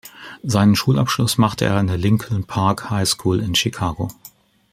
Seinen Schulabschluss machte er an der "Lincoln Park High School" in Chicago.